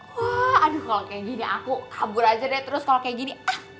wah aduh kalau kayak gini aku kabur aja deh terus kalau kayak gini